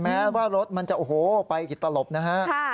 แม้ว่ารถมันจะไปกิตลบนะคะ